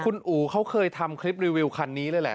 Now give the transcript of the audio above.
คุณอู๋เขาเคยทำคลิปรีวิวคันนี้เลยแหละ